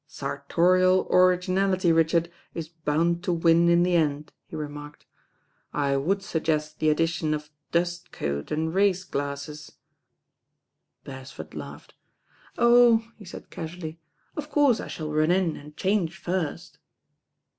"Sartorial originality, Richard, is bound to win in the end," he remarked. "I would suggest the addition of dust coat and race glasses." Beresford laughed. "Oh," he said casually, "of course, I ahall run in and change first."